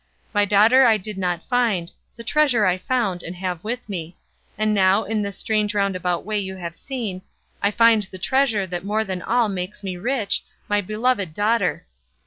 My daughter I did not find, the treasure I found and have with me; and now, in this strange roundabout way you have seen, I find the treasure that more than all makes me rich, my beloved daughter.